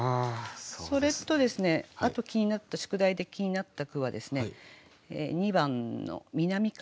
それとあと気になった宿題で気になった句は２番の「南風」